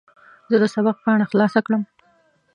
زه د سبق پاڼه خلاصه کړم.